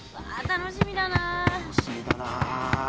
楽しみだな。